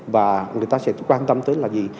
và người ta sẽ quan tâm tới là gì